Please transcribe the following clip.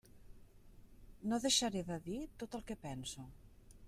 No deixaré de dir tot el que penso.